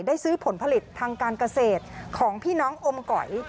ซื้อผลผลิตทางการเกษตรของพี่น้องอมก๋อย